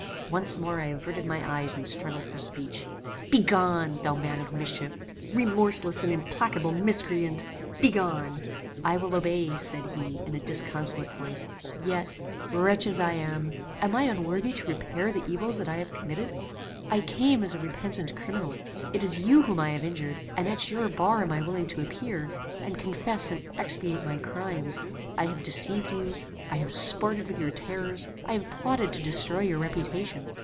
Once more I averted my eyes and struggled for speech. "Begone! thou man of mischief! Remorseless and implacable miscreant! begone!" "I will obey," said he in a disconsolate voice; "yet, wretch as I am, am I unworthy to repair the evils that I have committed? I came as a repentant criminal. It is you whom I have injured, and at your bar am I willing to appear, and confess and expiate my crimes. I have deceived you: I have sported with your terrors: I have plotted to destroy your reputation.